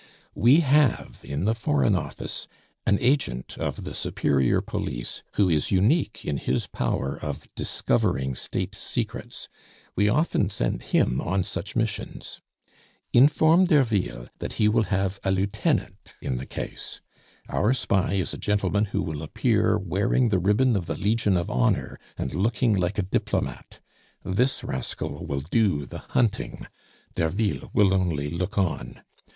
"We have in the Foreign Office an agent of the superior police who is unique in his power of discovering State secrets; we often send him on such missions. Inform Derville that he will have a lieutenant in the case. Our spy is a gentleman who will appear wearing the ribbon of the Legion of Honor, and looking like a diplomate. This rascal will do the hunting; Derville will only look on.